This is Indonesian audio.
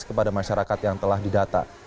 kepada masyarakat yang telah didata